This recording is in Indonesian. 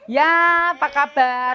ya apa kabar